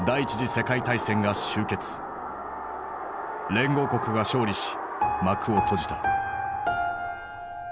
連合国が勝利し幕を閉じた。